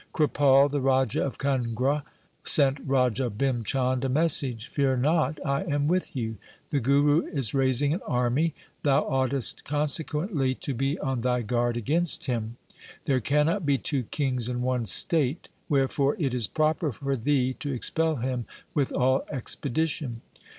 Kripal, the Raja of Kangra, sent Raja Bhim Chand a message, ' Fear not, I am with you. The Guru is raising an army. Thou oughtest conse quently to be on thy guard against him. There cannot be two kings in one state. Wherefore it is proper for thee to expel him with all expedition.'